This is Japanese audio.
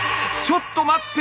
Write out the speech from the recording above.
ちょっと待って！